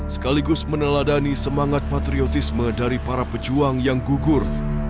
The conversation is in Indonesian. sekaligus meneladani semangat patriotisme dari para pejuang yang gugur